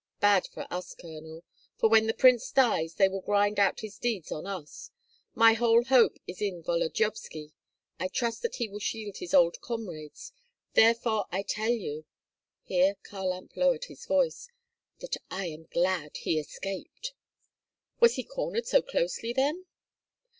Bad for us, Colonel; for when the prince dies they will grind out his deeds on us. My whole hope is in Volodyovski. I trust that he will shield his old comrades; therefore I tell you" (here Kharlamp lowered his voice) "that I am glad he escaped." "Was he cornered so closely, then?"